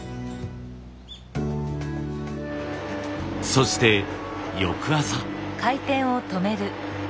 そして翌朝。